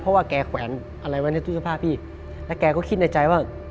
เพราะว่าแกแขวนอะไรไว้ในตู้เสื้อผ้าพี่แล้วแกก็คิดในใจว่า